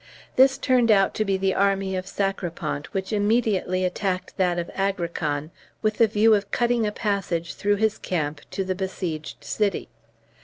This turned out to be the army of Sacripant, which immediately attacked that of Agrican, with the view of cutting a passage through his camp to the besieged city.